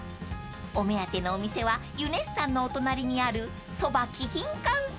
［お目当てのお店はユネッサンのお隣にある］